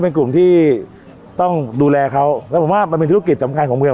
เป็นกลุ่มที่ต้องดูแลเขาแล้วผมว่ามันเป็นธุรกิจสำคัญของเมือง